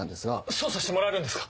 捜査してもらえるんですか？